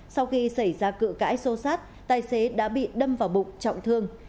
sau khi xảy ra cự cãi xô sát tài xế đã bị đâm vào bụng trọng thương